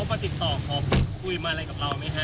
ไม่คุยไม่มีการคุ้มคุ้ม